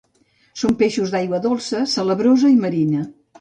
Són peixos d'aigua dolça, salabrosa i marina.